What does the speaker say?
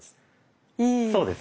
そうです。